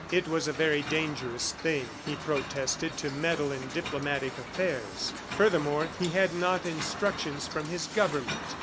It was a very dangerous thing, he protested, to meddle in diplomatic affairs. Furthermore, he had not instructions from his government.